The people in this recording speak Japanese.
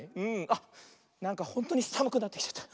あっなんかほんとにさむくなってきちゃった。